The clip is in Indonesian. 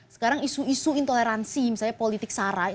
sekarang isu isu intoleransi misalnya politik sarai